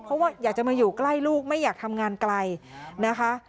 เพราะว่าอยากจะมาอยู่ใกล้ลูกไม่อยากทำงานไกลนะคะ